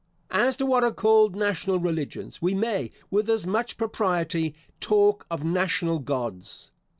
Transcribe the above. As to what are called national religions, we may, with as much propriety, talk of national Gods.